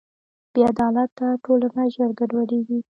بېعدالته ټولنه ژر ګډوډېږي.